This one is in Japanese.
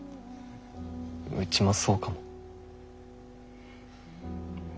うちもそうかも。